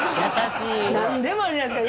なんでもあるじゃないですか。